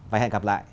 và hẹn gặp lại